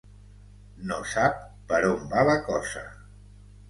No sap per on va la cosa.